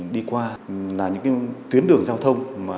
đi qua là những tuyến đường giao thông